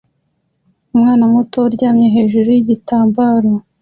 Umwana muto uryamye hejuru yigitambaro